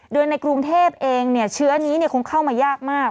โดยในกรุงเทพเองเนี่ยเชื้อนี้เนี่ยคงเข้ามายากมาก